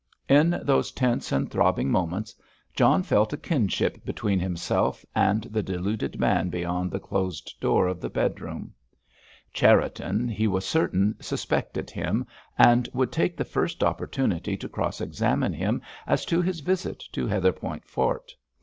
In those tense and throbbing moments John felt a kinship between himself and the deluded man beyond the closed door of the bedroom. Cherriton, he was certain, suspected him, and would take the first opportunity to cross examine him as to his visit to Heatherpoint Fort.